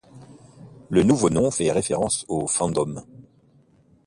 Le nouveau nom fait référence au fandom.